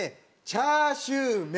チャーシュー麺。